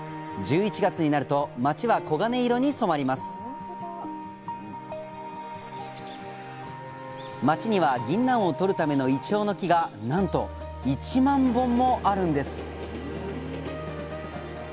１１月になると町は黄金色に染まります町にはぎんなんをとるためのイチョウの木がなんと１万本もあるんです